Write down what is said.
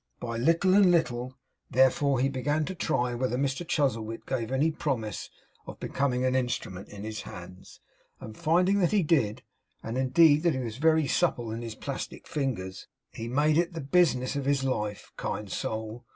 By little and little, therefore, he began to try whether Mr Chuzzlewit gave any promise of becoming an instrument in his hands, and finding that he did, and indeed that he was very supple in his plastic fingers, he made it the business of his life kind soul!